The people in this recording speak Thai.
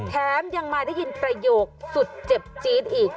แถมยังมาได้ยินประโยคสุดเจ็บจี๊ดอีก